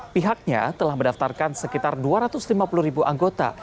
pihaknya telah mendaftarkan sekitar dua ratus lima puluh ribu anggota